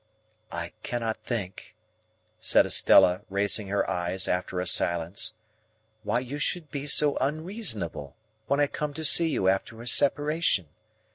"I cannot think," said Estella, raising her eyes after a silence "why you should be so unreasonable when I come to see you after a separation.